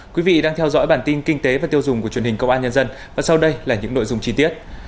quý vị đang theo dõi bản tin kinh tế và tiêu dùng của truyền hình công an nhân dân và sau đây là những nội dung chi tiết